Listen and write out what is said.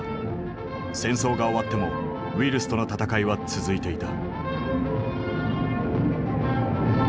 戦争が終わってもウイルスとの闘いは続いていた。